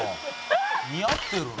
似合ってるな」